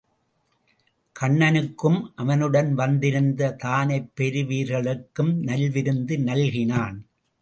கண்ணனுக்கும் அவனுடன் வந்திருந்த தானைப் பெருவீரர்களுக்கும் நல்விருந்து நல்கினான்.